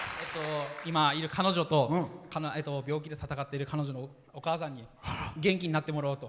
今いる彼女と病気で闘っている彼女のお母さんに元気になってもらおうと。